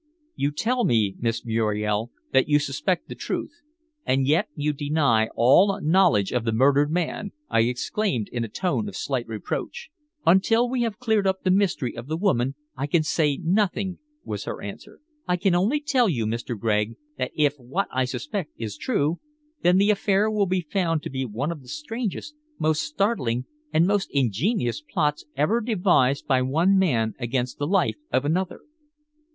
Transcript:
"You tell me, Miss Muriel, that you suspect the truth, and yet you deny all knowledge of the murdered man!" I exclaimed in a tone of slight reproach. "Until we have cleared up the mystery of the woman I can say nothing," was her answer. "I can only tell you, Mr. Gregg, that if what I suspect is true, then the affair will be found to be one of the strangest, most startling and most ingenious plots ever devised by one man against the life of another."